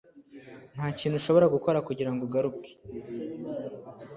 ntakintu ushobora gukora kugirango ugarure